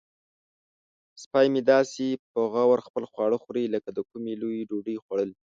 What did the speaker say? سپی مې داسې په غور خپل خواړه خوري لکه د کومې لویې ډوډۍ خوړل.